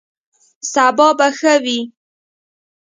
سبا به ښه وي